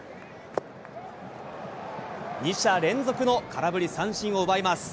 ２者連続の空振り三振を奪います。